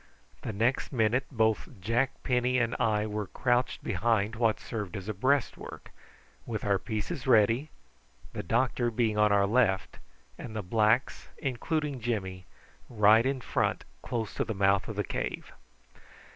The next minute both Jack Penny and I were crouched behind what served as a breastwork, with our pieces ready, the doctor being on our left, and the blacks, including Jimmy, right in front, close to the mouth of the cave.